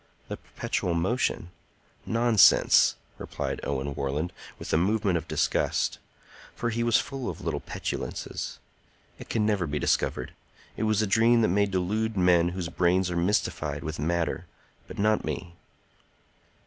"The perpetual motion? Nonsense!" replied Owen Warland, with a movement of disgust; for he was full of little petulances. "It can never be discovered. It is a dream that may delude men whose brains are mystified with matter, but not me.